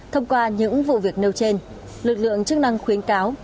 thông qua những vụ việc nêu trên lực lượng chức năng khuyến cáo